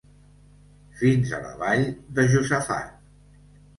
Fins a la vall de Josafat.